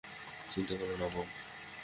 চিন্তা করো না, বব।